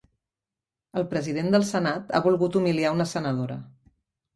El president del senat ha volgut humiliar a una senadora